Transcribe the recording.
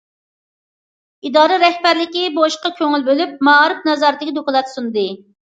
ئىدارە رەھبەرلىكى بۇ ئىشقا كۆڭۈل بۆلۈپ، مائارىپ نازارىتىگە دوكلات سۇندى.